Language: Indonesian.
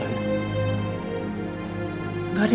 gak ada yang lain